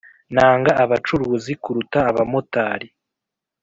Nanga abacuruzi kuruta abamotari